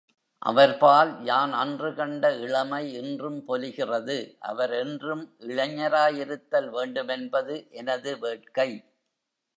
அவர்பால் யான் அன்று கண்ட இளமை இன்றும் பொலிகிறது, அவர் என்றும் இளைஞராயிருத்தல் வேண்டுமென்பது எனது வேட்கை.